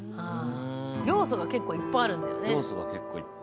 要素が結構いっぱいあるんだよね。